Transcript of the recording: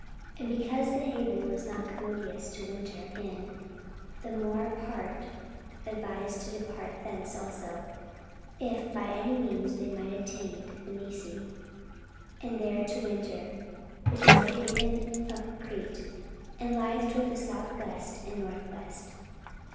44:027:012 And because the haven was not commodious to winter in, the more part advised to depart thence also, if by any means they might attain to Phenice, and there to winter; which is an haven of Crete, and lieth toward the south west and north west.